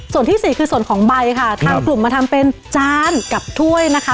ส่วนที่สี่คือส่วนของใบค่ะทางกลุ่มมาทำเป็นจานกับถ้วยนะคะ